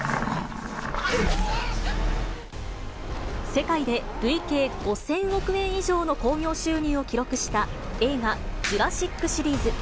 世界で累計５０００億円以上の興行収入を記録した映画、ジュラシックシリーズ。